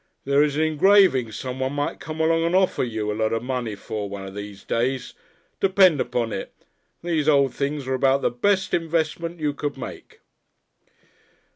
"There is an engraving someone might come along and offer you a lot of money for one of these days. Depend upon it, these old things are about the best investment you could make...."